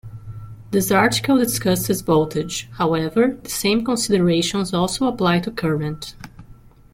This article discusses voltage, however, the same considerations also apply to current.